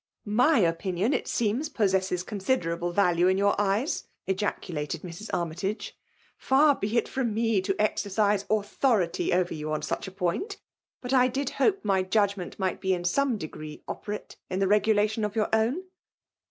'\My opinion, it seems, possesses consider able value in your eyes!" ejaculated Mrs. Armytage. " Far be it firom me io exercise Qutkoritjf over you on such a point; but I did rKXALE lX>mNATION. 1^ bdpe my judgmettt nrigbi in some degree (Operate in tlie regulation of your own.